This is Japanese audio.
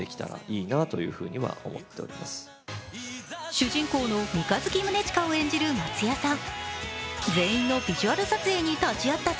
主人公の三日月宗近を演じる松也さん。